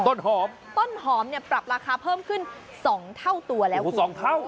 ต้นหอมต้นหอมเนี่ยปรับราคาเพิ่มขึ้น๒เท่าตัวแล้วคุณสองเท่า